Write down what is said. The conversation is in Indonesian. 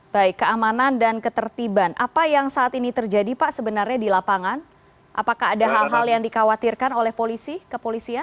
baik keamanan dan ketertiban apa yang saat ini terjadi pak sebenarnya di lapangan apakah ada hal hal yang dikhawatirkan oleh polisi kepolisian